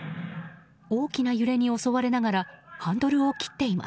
大きな揺れに襲われながらハンドルを切っています。